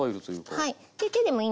はい。